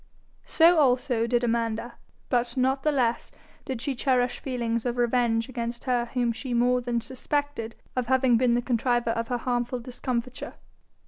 So also did Amanda; but not the less did she cherish feelings of revenge against her whom she more than suspected of having been the contriver of her harmful discomfiture.